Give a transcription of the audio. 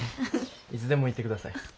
いつでも言って下さい。